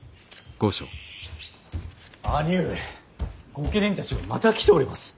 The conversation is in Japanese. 御家人たちがまた来ております。